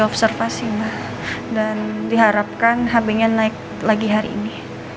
observasi mbah dan diharapkan habisnya naik lagi hari ini